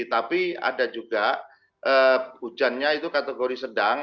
tapi ada juga hujannya itu kategori sedang